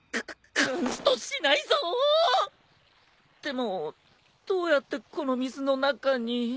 でもどうやってこの水の中に？